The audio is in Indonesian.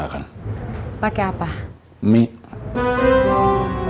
aku ke toilet sebentar ya